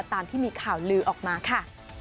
ตามที่มีข่าวลือออกมาค่ะ